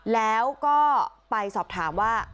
แล้วก็ไปสอบถามว่า